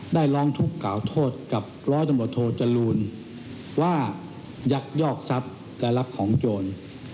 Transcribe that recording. ได้ร้องทุกข์กล่าวโทษกับรศจรูลว่ายักษ์ยอกทรัพย์แต่รับของโจร